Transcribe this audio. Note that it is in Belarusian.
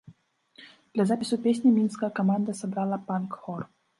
Для запісу песні мінская каманда сабрала панк-хор.